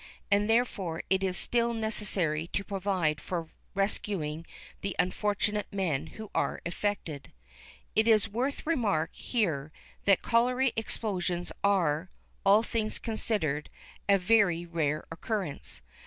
And therefore it is still necessary to provide for rescuing the unfortunate men who are affected. It is worth remark, here, that colliery explosions are, all things considered, a very rare occurrence.